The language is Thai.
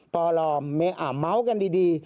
ปอลอมเม้อมเม้ากันดี